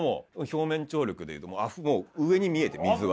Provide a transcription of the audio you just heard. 表面張力でもう上に見えて水が。